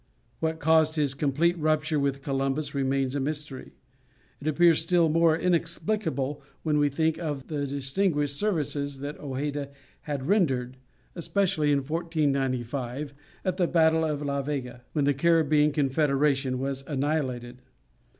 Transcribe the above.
What caused his complete rupture with Columbus remains a mystery; it appears still more inexplicable when we think of the distinguished services that Hojeda had rendered, especially in 1495, at the battle of La Vega, when the Caribbean Confederation was annihilated.